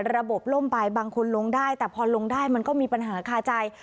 ระบบล่มไปบางคนลงได้แต่พอลงได้มันก็มีปัญหาคาใจ